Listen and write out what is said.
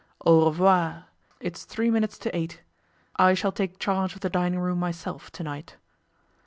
Au revoir! It's three minutes to eight. I shall take charge of the dining room myself to night.